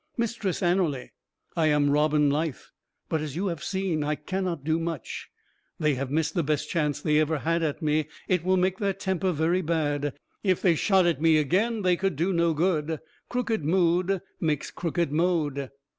"Mistress Anerley, I am Robin Lyth; but, as you have seen, I cannot do much.... They have missed the best chance they ever had at me; it will make their temper very bad. If they shot at me again, they could do no good. Crooked mood makes crooked mode."